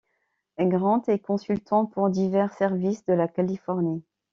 Grant est consultant pour divers services de la Californie.